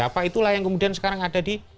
apa itulah yang kemudian sekarang ada di